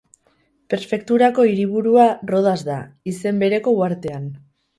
Prefekturako hiriburua Rodas da, izen bereko uhartean.